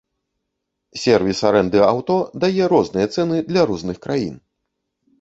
Сервіс арэнды аўто дае розныя цэны для розных краін!